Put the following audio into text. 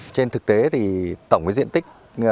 trên thực tế thì tổng diện tích